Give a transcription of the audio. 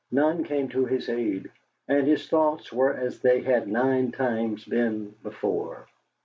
None came to his aid. And his thoughts were as they had nine times been before.